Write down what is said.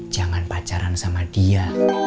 jangan pacaran sama dia